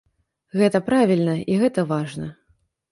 Гэта правільна і гэта важна.